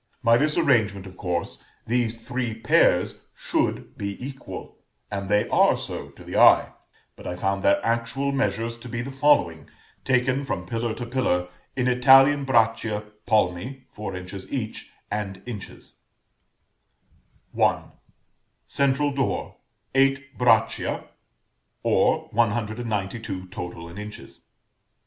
By this arrangement, of course, these three pairs should be equal; and they are so to the eye, but I found their actual measures to be the following, taken from pillar to pillar, in Italian braccia, palmi (four inches each), and inches: Braccia. Palmi. Inches. Total in inches.